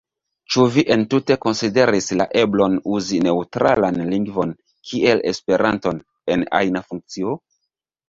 Ĉu vi entute konsideris la eblon uzi neŭtralan lingvon, kiel Esperanton, en ajna funkcio?